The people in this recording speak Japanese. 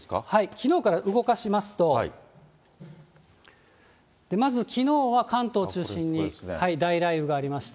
きのうから動かしますと、まずきのうは関東を中心に、大雷雨がありました。